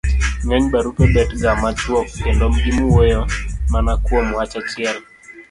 ng'eny barupe bet ga machuok kendo giwuoyo mana kuom wach achiel.